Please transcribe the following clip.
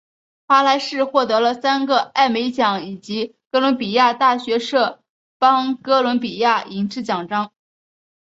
华莱士获得了三个艾美奖以及哥伦比亚大学杜邦哥伦比亚银质奖章。